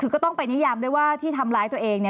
ก็ต้องไปนิยามด้วยว่าที่ทำร้ายตัวเอง